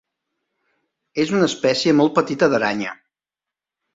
És una espècie molt petita d'aranya.